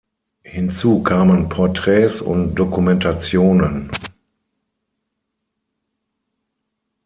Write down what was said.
Hinzu kamen Porträts und Dokumentationen.